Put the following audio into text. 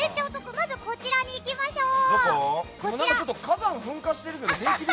まずこちらに行きましょう。